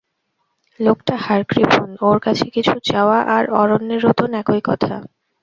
লােকটা হাড়কৃপণ, ওর কাছে কিছু চাওয়া আর অরণ্যে রােদন একই কথা।